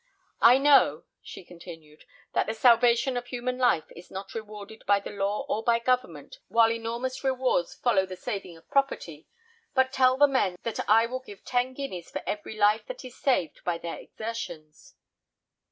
I know," she continued, "that the salvation of human life is not rewarded by the law or by government, while enormous rewards follow the saving of property; but tell the men that I will give ten guineas for every life that is saved by their exertions."